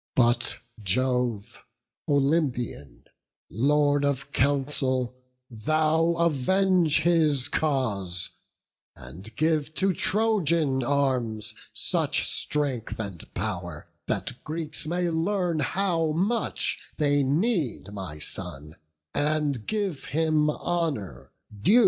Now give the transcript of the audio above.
But Jove, Olympian, Lord of counsel, Thou Avenge his cause; and give to Trojan arms Such strength and pow'r, that Greeks may learn how much They need my son, and give him honour due."